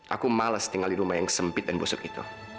aku malas tinggal di rumah yang sempit dan busuk itu